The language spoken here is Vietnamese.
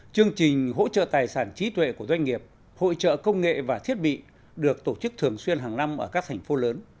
chương trình hỗ trợ tài sản trí tuệ của doanh nghiệp hội trợ công nghệ và thiết bị được tổ chức thường xuyên hàng năm ở các thành phố lớn